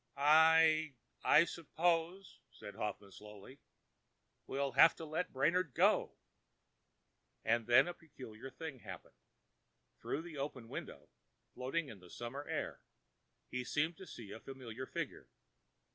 "I—I suppose," Houghton said slowly, "we'll have to let Brainard go." And then a peculiar thing happened. Through the open window, floating in the summer air, he seemed to see a familiar figure.